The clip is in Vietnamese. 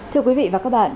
thưa quý vị và các bạn